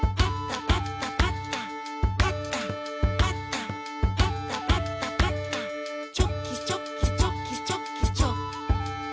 「パタパタパタパタパタ」「チョキチョキチョキチョキチョキ」